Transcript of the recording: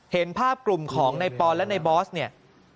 เห็นภาพกลุ่มของในปอนและในบอสเนี่ย